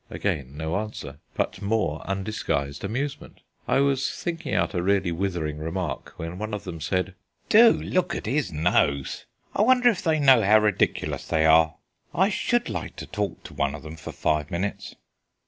Again no answer, but more undisguised amusement. I was thinking out a really withering remark, when one of them said: "Do look at his nose. I wonder if they know how ridiculous they are. I should like to talk to one of them for five minutes."